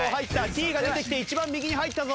Ｔが出てきて一番右に入ったぞ。